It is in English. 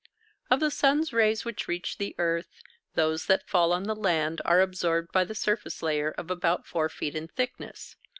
Of the sun's rays which reach the earth, those that fall on the land are absorbed by the surface layer of about 4 feet in thickness.